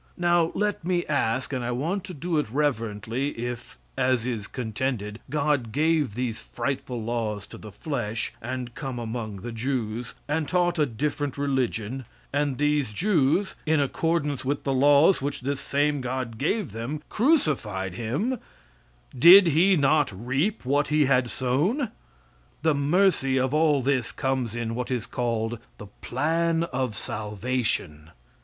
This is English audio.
Now, let me ask, and I want to do it reverently, if, as is contended, God gave these frightful laws to the flesh, and come among the Jews, and taught a different religion, and these Jews, in accordance with the laws which this same God gave them, crucified him, did he not reap what he had sown? The mercy of all this comes in what is called "the plan of salvation."